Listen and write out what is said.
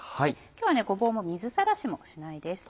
今日はごぼうも水さらしもしないです。